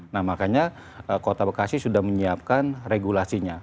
nah makanya kota bekasi sudah menyiapkan regulasinya